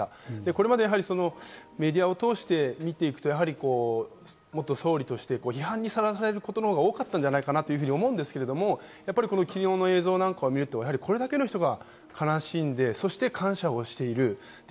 これまでメディアを通して見ていくと、元総理として批判にさらされることのほうが多かったんじゃないかなと思うんですけれども、昨日の映像を見ると、これだけの人が悲しんで、そして感謝をしている。